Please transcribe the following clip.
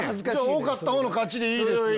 多かったほうの勝ちでいいです。